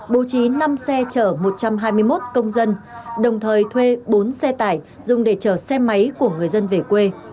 bố trí năm xe chở một trăm hai mươi một công dân đồng thời thuê bốn xe tải dùng để chở xe máy của người dân về quê